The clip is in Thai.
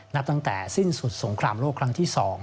นับตั้งแต่สิ้นสุดสงครามโลกครั้งที่๒